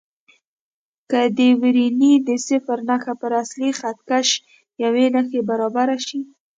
که د ورنیې د صفر نښه پر اصلي خط کش یوې نښې برابره شي.